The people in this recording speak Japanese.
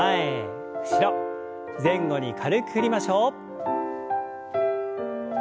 前後に軽く振りましょう。